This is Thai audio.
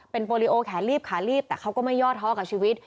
เป็นโปรลิโอแขนลีบขาลีบแต่เขาก็ไม่ย่อท้อกับชีวิต